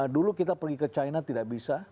dulu kita pergi ke china tidak bisa